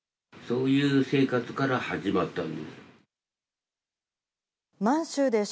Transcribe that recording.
そういう生活から始まったんです。